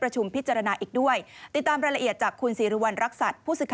เชิญค่ะ